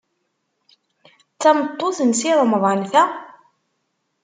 D tameṭṭut n Si Remḍan, ta?